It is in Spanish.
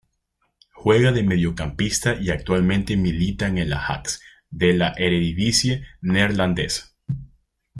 Juega de mediocampista y actualmente milita en el Ajax de la Eredivisie neerlandesa.